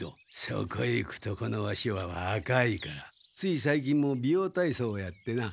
そこへいくとこのワシはわかいからついさいきんも美容体操をやってな。